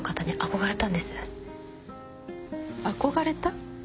憧れた？